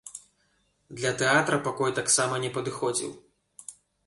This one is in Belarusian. Для тэатра пакой таксама не падыходзіў.